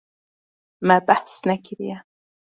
Me behs nekiriye.